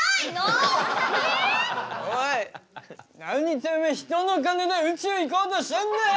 おい何てめえ人の金で宇宙行こうとしてんだよ！